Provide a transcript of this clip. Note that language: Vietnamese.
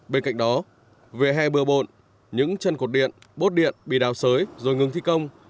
bên cạnh đó về hè bưa bộn những chân cột điện bốt điện bị đào sới rồi ngừng thi công